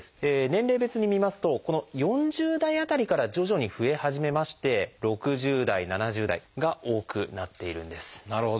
年齢別に見ますとこの４０代辺りから徐々に増え始めまして６０代７０代が多くなっているんです。